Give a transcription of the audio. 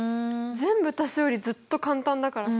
全部足すよりずっと簡単だからさ